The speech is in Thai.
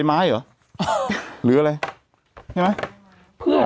แต่หนูจะเอากับน้องเขามาแต่ว่า